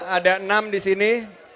ada enam disini